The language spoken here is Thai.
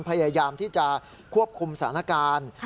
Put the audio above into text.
พยายามที่จะควบคุมสถานการณ์